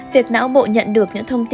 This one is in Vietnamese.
việc não bộ nhận được những thông tin